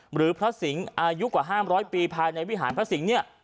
หรือพระสิงห์อายุกว่า๕๐๐ปีภายในวิหารพระสิงศ์เนี่ย